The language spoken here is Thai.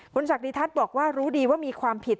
คุณศักดิทัศน์บอกว่ารู้ดีว่ามีความผิด